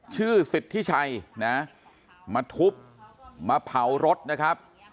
สิทธิชัยนะมาทุบมาเผารถนะครับ